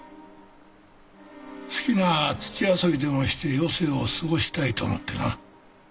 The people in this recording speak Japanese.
好きな土遊びでもして余生を過ごしたいと思ってな。